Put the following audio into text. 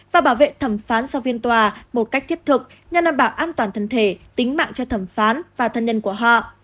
và bảo vệ thẩm phán sau phiên tòa một cách thiết thực nhằm đảm bảo an toàn thân thể tính mạng cho thẩm phán và thân nhân của họ